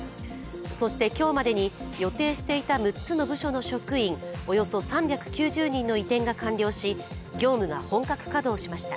そして今日までに予定していた６つの部署の職員、およそ３９０人の移転が完了し業務が本格稼働しました。